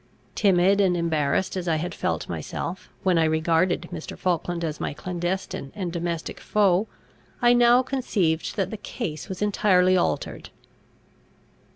Timid and embarrassed as I had felt myself, when I regarded Mr. Falkland as my clandestine and domestic foe, I now conceived that the case was entirely altered.